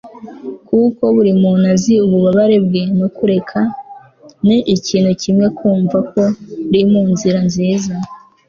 kuko buri muntu azi ububabare bwe no kureka ni ikintu kimwe kumva ko uri mu nzira nziza